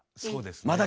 そうですね。